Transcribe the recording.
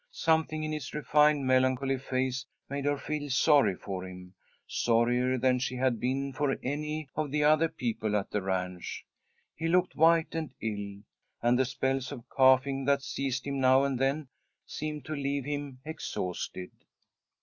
Something in his refined, melancholy face made her feel sorry for him; sorrier than she had been for any of the other people at the ranch. He looked white and ill, and the spells of coughing that seized him now and then seemed to leave him exhausted.